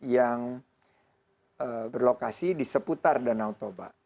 yang berlokasi di seputar danau toba